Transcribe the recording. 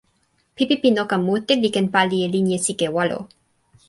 pipi pi noka mute li ken pali e linja sike walo.